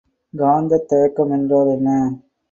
காந்தத் தயக்கம் என்றால் என்ன?